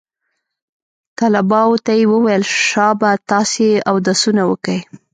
طلباو ته يې وويل شابه تاسې اودسونه وکئ.